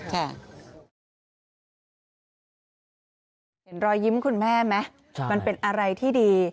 เห็นรอยยิ้มคุณแม่ไหมมันเป็นอะไรที่ดี